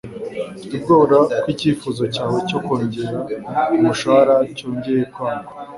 Mfite ubwoba ko icyifuzo cyawe cyo kongera umushahara cyongeye kwangwa.